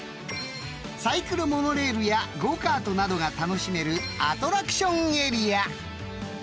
［サイクルモノレールやゴーカートなどが楽しめるアトラクションエリア］